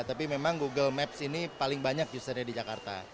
tapi memang google maps ini paling banyak usernya di jakarta